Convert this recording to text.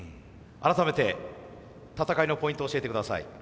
改めて戦いのポイントを教えてください。